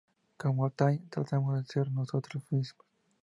Con Time, tratamos de ser nosotros mismos.